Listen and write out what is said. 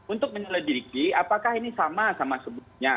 untuk menyelidiki apakah ini sama sama sebelumnya